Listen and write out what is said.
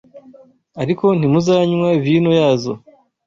ariko ntimuzanywa vino yazo.